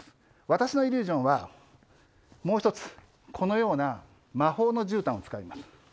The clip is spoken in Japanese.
私のイリュージョンは、もう１つ、このような魔法のじゅうたんを使います。